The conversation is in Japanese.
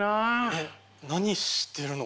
えっ何してるの？